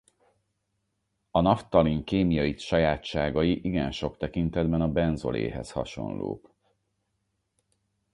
A naftalin kémiai sajátságai igen sok tekintetben a benzoléhez hasonlók.